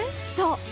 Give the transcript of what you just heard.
そう！